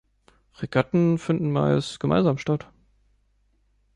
Regatten finden meist gemeinsam statt.